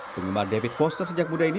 penggemar david foster sejak muda ini